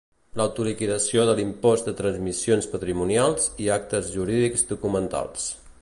L'autoliquidació de l'impost de transmissions patrimonials i actes jurídics documentats.